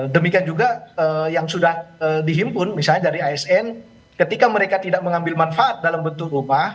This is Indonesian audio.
demikian juga yang sudah dihimpun misalnya dari asn ketika mereka tidak mengambil manfaat dalam bentuk rumah